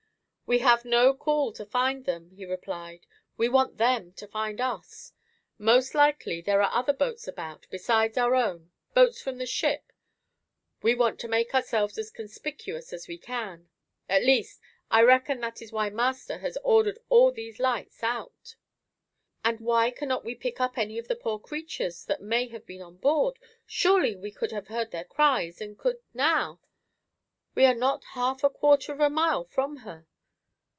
"We have no call to find them," he replied; "we want them to find us. Most likely there are other boats about, besides our own, boats from the ship—we want to make ourselves as conspicuous as we can. At least, I reckon that is why Master has ordered all these lights out." "And why cannot we pick up any of the poor creatures that may have been on board? Surely we could have heard their cries, and could now—we are not half a quarter of a mile from her."